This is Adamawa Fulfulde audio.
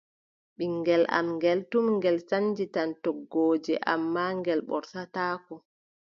Ɓiŋngel am ngeel, tum ngel sannjita toggooje, ammaa ngel ɓortataako.